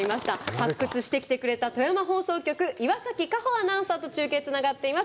発掘してきてくれた富山放送局岩崎果歩アナウンサーと中継、つながっています。